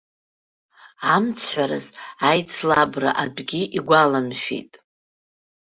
Амцҳәараз аицлабра атәгьы игәаламшәеит.